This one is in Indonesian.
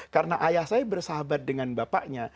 karena ayah saya bersahabat dengan bapaknya